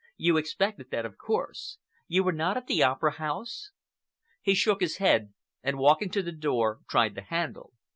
"You expected that, of course. You were not at the Opera House?" He shook his head, and walking to the door tried the handle.